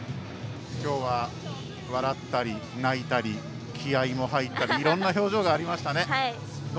きょうは笑ったり泣いたり気合いも入ったりいろんな表情がありましたね。